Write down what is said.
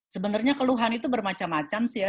sebenarnya keluhan itu bermacam macam sih ya